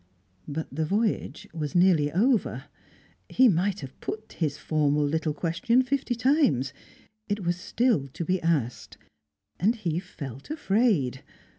But the voyage was nearly over; he might have put his formal little question fifty times; it was still to be asked and he felt afraid.